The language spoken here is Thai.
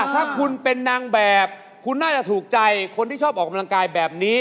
ถ้าคุณเป็นนางแบบคุณน่าจะถูกใจคนที่ชอบออกกำลังกายแบบนี้